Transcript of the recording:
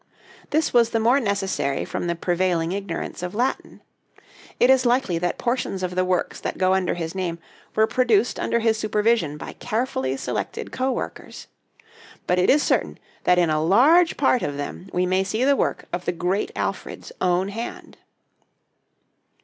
This was the more necessary from the prevailing ignorance of Latin. It is likely that portions of the works that go under his name were produced under his supervision by carefully selected co workers. But it is certain that in a large part of them we may see the work of the great Alfred's own hand.